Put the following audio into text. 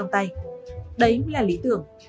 đấy là lý tưởng